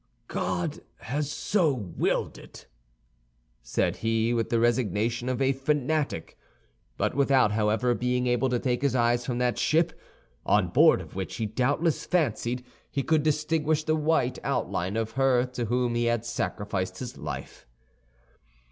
"God has so willed it!" said he, with the resignation of a fanatic; but without, however, being able to take his eyes from that ship, on board of which he doubtless fancied he could distinguish the white outline of her to whom he had sacrificed his life.